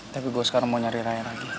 tapi gue sekarang mau nyari raya lagi